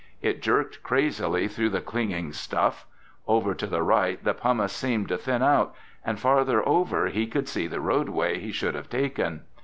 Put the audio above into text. It jerked crazily through the clinging stuff. Over to the right the pumice seemed to thin out, and farther over he could see the roadway he should have taken.